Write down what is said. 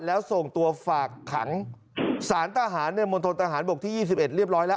แล้วส่งตัวฝากขังสารทหารในมณฑนทหารบกที่๒๑เรียบร้อยแล้ว